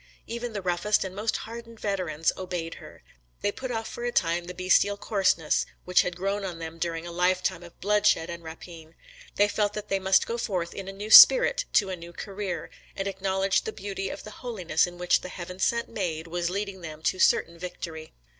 Even the roughest and most hardened veterans obeyed her. They put off for a time the bestial coarseness which had grown on them during a life of bloodshed and rapine; they felt that they must go forth in a new spirit to a new career, and acknowledged the beauty of the holiness in which the heaven sent Maid was leading them to certain victory.